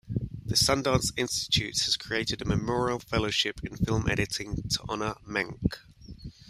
The Sundance Institute has created a memorial fellowship in film editing to honor Menke.